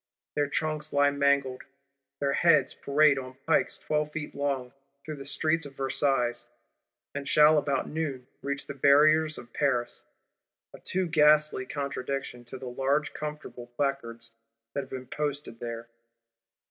Their trunks lie mangled: their heads parade, "on pikes twelve feet long," through the streets of Versailles; and shall, about noon reach the Barriers of Paris,—a too ghastly contradiction to the large comfortable Placards that have been posted there!